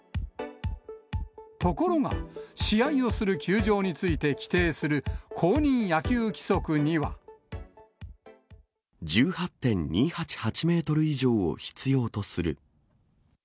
ところが、試合をする球場について規定する公認野球規則には。１８．２８８メートル以上を必要とする。